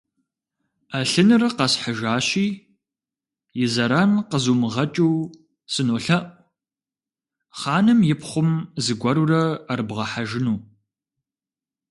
Ӏэлъыныр къэсхьыжащи, и зэран къызумыгъэкӀыу, сынолъэӀу, хъаным и пхъум зыгуэрурэ Ӏэрыбгъэхьэжыну.